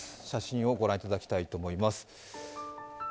写真を御覧いただきたいと思います。